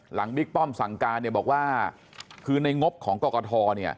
บิ๊กป้อมสั่งการบอกว่าคือในงบของกรกฐ